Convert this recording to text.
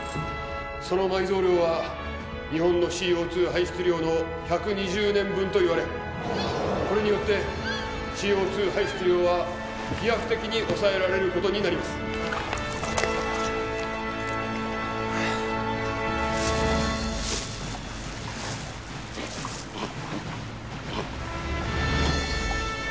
その埋蔵量は日本のＣＯ２排出量の１２０年分といわれこれによってＣＯ２排出量は飛躍的に抑えられることになりますああ